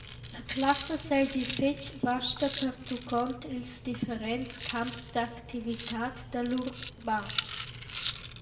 La classa seigi fetg vasta pertuccont ils differents camps d’activitad da lur babs.